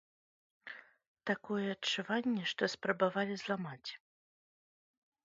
Такое адчуванне, што спрабавалі зламаць.